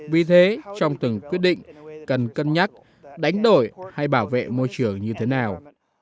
vì thế trong từng quyết định cần cân nhắc đánh đổi hay bảo vệ môi trường như thế nào